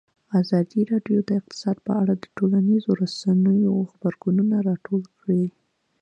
ازادي راډیو د اقتصاد په اړه د ټولنیزو رسنیو غبرګونونه راټول کړي.